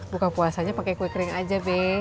buka puasanya pake kue kering aja be